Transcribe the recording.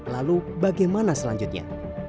lalu bagaimana selanjutnya